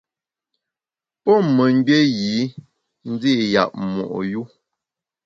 Pon memgbié yî ndi’ yap mo’ yu.